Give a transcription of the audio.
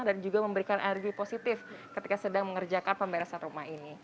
juga memberikan energi positif ketika sedang mengerjakan pemberesan rumah ini